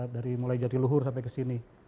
dari mulai jatiluhur sampai ke sini